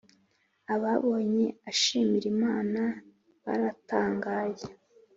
ababonye ashimira Imana baratangaye